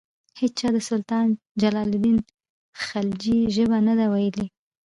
هیچا د سلطان جلال الدین خلجي ژبه نه ده ویلي.